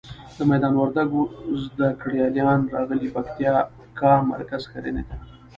د میدان وردګو زده ګړالیان راغلي پکتیکا مرکز ښرنی ته.